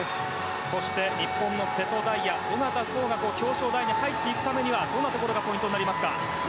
そして日本の瀬戸大也小方颯が表彰台に入っていくためにはどんなところがポイントになりますか。